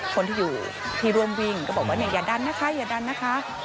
คนที่อยู่ที่ร่วมวิ่งก็บอกว่าเนี่ยอย่าดันนะคะอย่าดันนะคะ